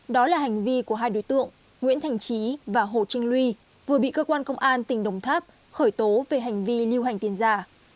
đó là hành vi của hai đối tượng nguyễn thành trí và hồ trinh luy vừa bị cơ quan công an tỉnh đồng tháp khởi tố về hành vi lưu hành tiền giả